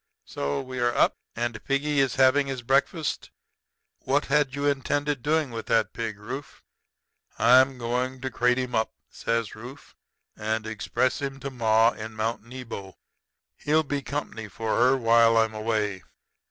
'So we are up? And piggy is having his breakfast. What had you intended doing with that pig, Rufe?' "'I'm going to crate him up,' says Rufe, 'and express him to ma in Mount Nebo. He'll be company for her while I am away.'